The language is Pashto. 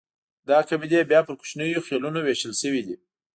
دا قبیلې بیا پر کوچنیو خېلونو وېشل شوې دي.